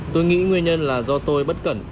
tôi nghĩ nguyên nhân là do tôi bất cẩn